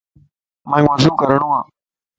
مانک وضو ڪرڻو ا.